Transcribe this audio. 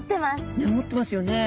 ね持ってますよね。